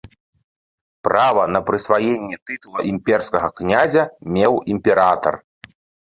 Права на прысваенне тытула імперскага князя меў імператар.